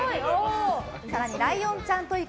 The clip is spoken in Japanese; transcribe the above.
更に、ライオンちゃんと行く！